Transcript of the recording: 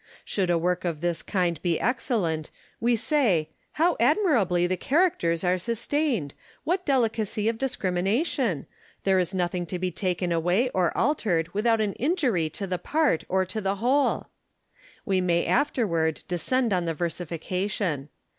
Should a work of this kind be excellent, we say, " How admirably the characters are sustained ! What delicacy of discrimination ! There is nothing to be taken away or altered without an injury to the part or to the whole." We may afterward descend on the versification.